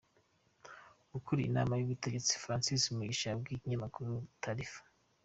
Ukuriye inama y’ubutegetsi, Francis Mugisha yabwiye ikinyamakuru Taarifa.